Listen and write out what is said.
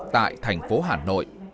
tại thành phố hà nội